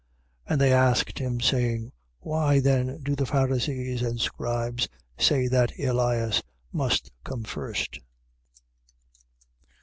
9:10. And they asked him, saying: Why then do the Pharisees and scribes say that Elias must come first?